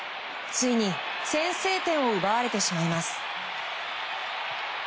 ついに先制点を奪われてしまいます。